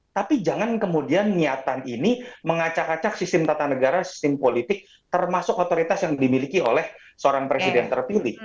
tapi jangan kemudian niatan ini mengacak acak sistem tata negara sistem politik termasuk otoritas yang dimiliki oleh seorang presiden terpilih